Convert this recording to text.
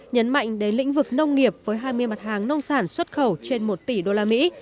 nhấn mạnh đến lĩnh vực nông nghiệp với hai mươi mặt hàng nông sản xuất khẩu trên một tỷ đô la mỹ